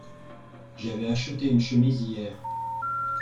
J’avais acheté une chemise hier.